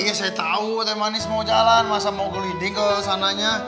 ya saya tahu teh manis mau jalan masa mau geliding ke sananya